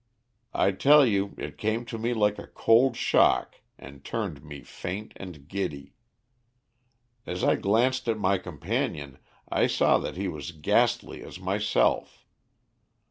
"I tell you it came to me like a cold shock and turned me faint and giddy. As I glanced at my companion I saw that he was ghastly as myself.